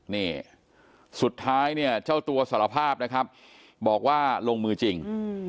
นี่สุดท้ายเนี่ยเจ้าตัวสารภาพนะครับบอกว่าลงมือจริง